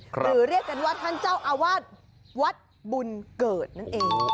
หรือเรียกกันว่าท่านเจ้าอาวาสวัดบุญเกิดนั่นเอง